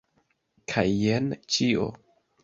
Kaj jen ĉio.